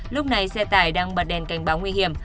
lúc này xe tải đang bật đèn cảnh báo nguy hiểm